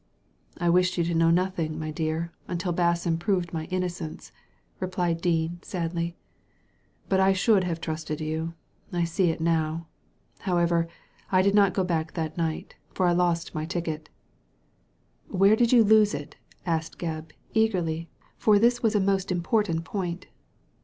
"I wished you to know nothing, my dear, until Basson proved my innocence," replied Dean, sadly. "But I should have trusted you. I see it now. However, I did not go back that night, for I lost my ticket." Digitized by Google PROOF POSITIVE 2A7 "Where did you lose it?" asked Gebb, eagerly, for this was a most important point.